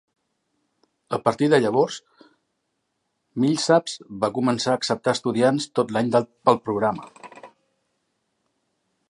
A partir de llavors, Millsaps va començar a acceptar estudiants tot l'any pel programa.